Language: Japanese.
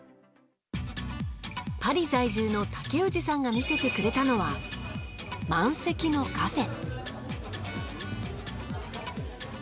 パリ在住の竹氏さんが見せてくれたのは満席のカフェ。